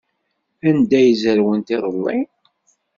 Anda ay zerwent iḍelli?